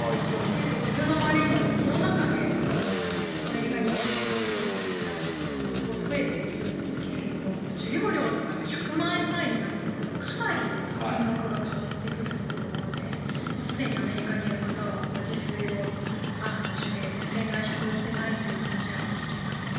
結構、自分の周りにもコロナ禍でアメリカに留学をするといった人がすごい増えているんですけども授業料とか１００万円単位になってくるとかなり金額が変わってくるというところですでにアメリカにいる方は自炊をして全然、外食行ってないという話は聞きますね。